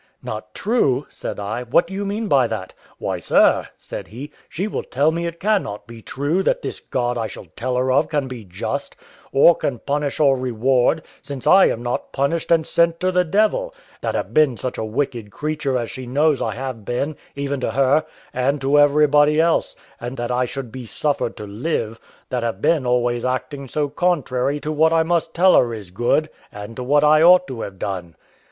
"Not true!" said I; "what do you mean by that?" "Why, sir," said he, "she will tell me it cannot be true that this God I shall tell her of can be just, or can punish or reward, since I am not punished and sent to the devil, that have been such a wicked creature as she knows I have been, even to her, and to everybody else; and that I should be suffered to live, that have been always acting so contrary to what I must tell her is good, and to what I ought to have done."